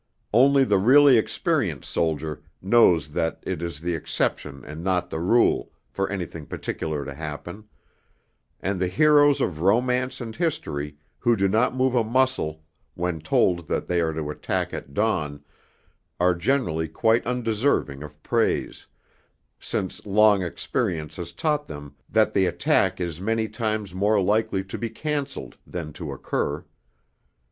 Only the really experienced soldier knows that it is the exception and not the rule for anything particular to happen; and the heroes of romance and history who do not move a muscle when told that they are to attack at dawn are generally quite undeserving of praise, since long experience has taught them that the attack is many times more likely to be cancelled than to occur.